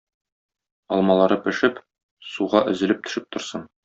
Алмалары пешеп, суга өзелеп төшеп торсын.